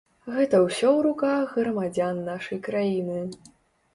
Гэта ўсё ў руках грамадзян нашай краіны.